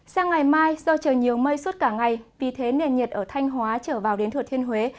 sang ngày mai do trời nhiều mây suốt cả ngày vì thế nền nhiệt ở thanh hóa trở vào đến thừa thiên huế